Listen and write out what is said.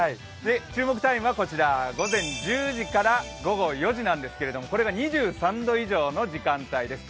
注目タイムはこちら午前１０時から午後４時なんですけどこちらが２３度以上の時間帯です。